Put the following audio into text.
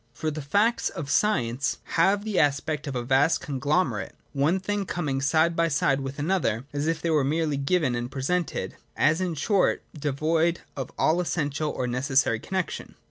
For the facts of science have the aspect of a vast con glomerate, one thing coming side by side with another, as if they were merely given and presented, — as in c 2 20 INTRODUCTION. [12 short devoid of all essential or necessary connexion.